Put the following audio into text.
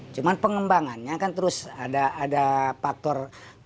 cuma pengembangannya kan terus ada faktor